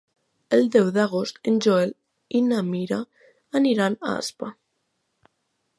El deu d'agost en Joel i na Mira aniran a Aspa.